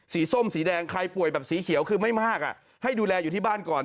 ส้มสีแดงใครป่วยแบบสีเขียวคือไม่มากให้ดูแลอยู่ที่บ้านก่อน